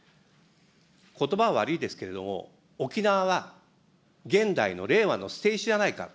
ことばは悪いですけれども、沖縄は現代の令和の捨て石じゃないか。